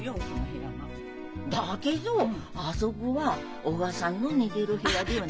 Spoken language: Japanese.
だけどあそこはお母さんの寝てる部屋では。